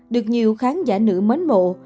được nhiều khán giả nữ mến mộ